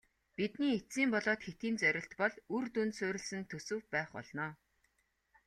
Бидний эцсийн болоод хэтийн зорилт бол үр дүнд суурилсан төсөв байх болно.